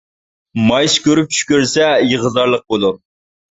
مايسا كۆرۈپ چۈش كۆرسە يىغا-زارلىق بولۇر.